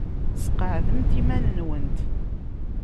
Sqeɛdemt iman-nwent.